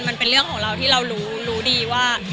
มันเป็นเรื่องของเราที่เรารู้ดีว่า